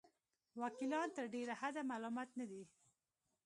وکیلان تر ډېره حده ملامت نه دي.